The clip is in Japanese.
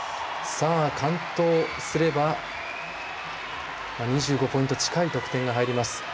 完登すれば２５ポイント近い得点が入ります。